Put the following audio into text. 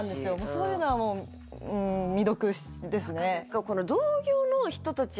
そういうのはもううん未読ですね